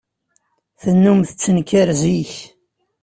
Tennum tettenkar zik.